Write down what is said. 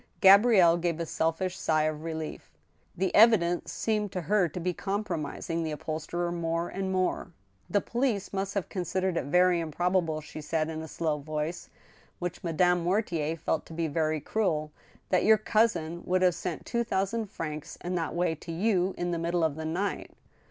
Gabrielle gave a selfish sigh of relief. The evidence seemed to her to be compromising the upholsterer more and more. " The police must have considered it very improbable," she said, in a slow voice, which Madame Mortier felt to be very cruel, *' that your cousin would have sent two thousand francs in that way to you in the middle of the night.